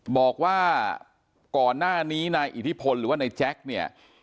บอกว่าก่อนหน้านี้นายอิทธิพลหรือว่านายแจ๊คเนี่ย